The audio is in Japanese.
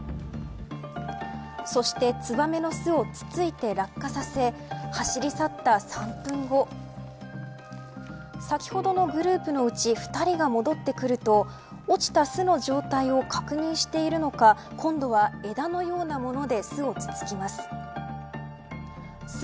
そして、ツバメの巣を突ついて落下させ走り去った３分後先ほどのグループのうち２人が戻ってくると落ちた巣の状態を確認しているのか今度は枝のようなもので巣をつつきます。